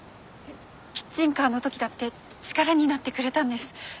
キッチンカーの時だって力になってくれたんです。